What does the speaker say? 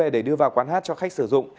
để đưa vào quán hát cho khách sử dụng